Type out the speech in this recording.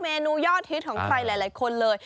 เมนูยอดฮิตของใครหลายคนเลย